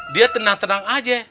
dia tenang tenang aja